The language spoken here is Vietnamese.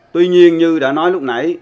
tuy nhiên như đã nói lúc nãy